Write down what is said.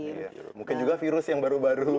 mungkin juga virus yang baru baru